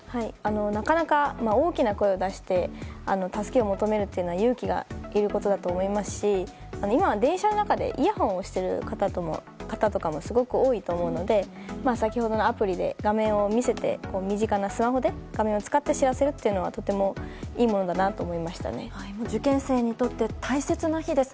なかなか大きな声を出して助けを求めるというのは勇気がいることだと思いますし今は電車の中でイヤホンをしている方とかもすごく多いと思うので先ほどのアプリで画面を見せて身近なスマホで画面を使って知らせるというのはとてもいいものだなと受験生にとって大切な日です。